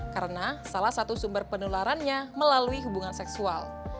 karena salah satu sumber penularannya melalui hubungan seksual